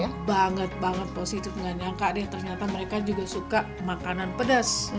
ya banget banget positif nggak nyangka deh ternyata mereka juga suka makanan pedas